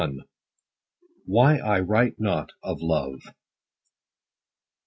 — WHY I WRITE NOT OF LOVE.